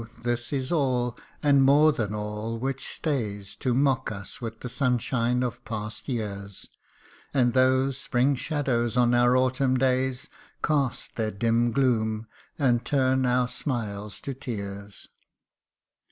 this is all, and more than all, which stays To mock us with the sunshine of past years ; And those spring shadows on our autumn days Cast their dim gloom, and turn our smiles to tears